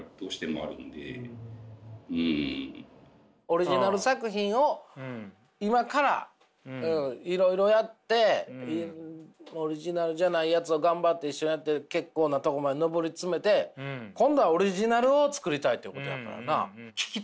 オリジナル作品を今からいろいろやってオリジナルじゃないやつを頑張って結構なとこまで上り詰めて今度はオリジナルを作りたいということやからな。